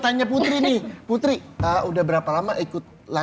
sama baby monster atau blackpink mungkin ya